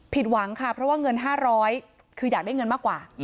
หวังค่ะเพราะว่าเงิน๕๐๐คืออยากได้เงินมากกว่า